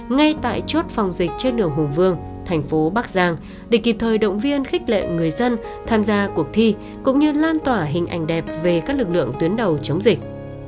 ngay tại chốt phòng dịch trên đường hùng vương thành phố bắc giang để kịp thời động viên khích lệ người dân tham gia cuộc thi cũng như lan tỏa hình ảnh đẹp về các lực lượng tuyến đầu chống dịch